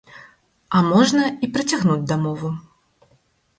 А можа, і працягнуць дамову.